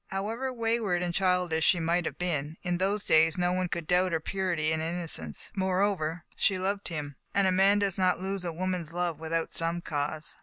However wayward and childish she might have been, in those days no one could doubt her purity and innocence. Moreover, she loved him, and a man does not lose a woman's love without some cause.